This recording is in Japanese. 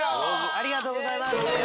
ありがとうございます。